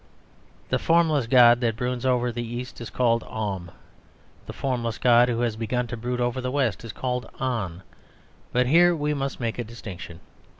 The formless god that broods over the East is called "Om." The formless god who has begun to brood over the West is called "On." But here we must make a distinction.